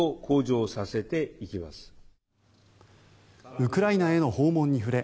ウクライナへの訪問に触れ